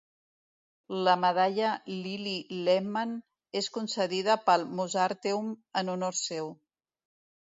La Medalla Lilli Lehmann és concedida pel Mozarteum en honor seu.